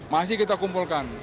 masih kita kumpulkan